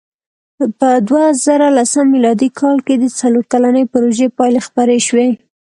په دوهزرهلسم مېلادي کال کې د څلور کلنې پروژې پایلې خپرې شوې.